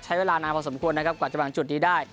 ใช้เวลานานพอสมควรนะครับกว่าจะมาถึงจุดนี้ได้